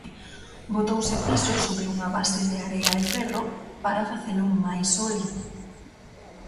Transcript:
Botouse piso sobre unha base de area e ferro para facelo máis sólido.